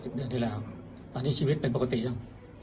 สิบเดือนที่แล้วตอนนี้ชีวิตเป็นปกติหรออ่า